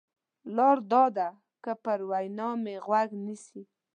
لار دا ده که پر وینا مې غوږ نیسې.